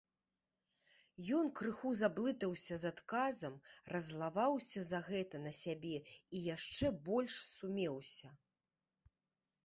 Ён крыху заблытаўся з адказам, раззлаваўся за гэта на сябе і яшчэ больш сумеўся.